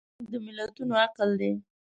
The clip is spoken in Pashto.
فرهنګ د ملتونو عقل دی